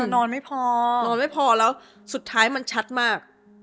นอนไม่พอนอนไม่พอแล้วสุดท้ายมันชัดมาก